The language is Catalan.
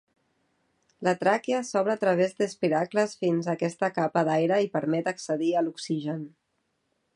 La tràquea s'obre a través d'espiracles fins a aquesta capa d'aire i permet accedir a l'oxigen.